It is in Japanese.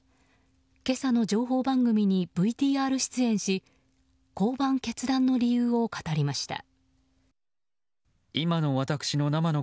今朝の情報番組にＶＴＲ出演し降板決断の理由を語りました。